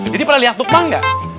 jadi pernah lihat lukman gak